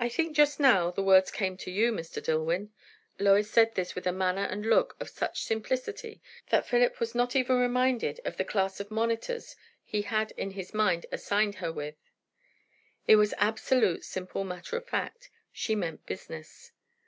"I think, just now, the words come to you, Mr. Dillwyn." Lois said this with a manner and look of such simplicity, that Philip was not even reminded of the class of monitors he had in his mind assigned her with. It was absolute simple matter of fact; she meant business.